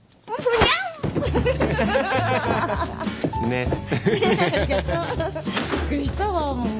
びっくりしたわもう。